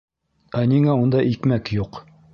Ә ниңә унда икмәк юҡ?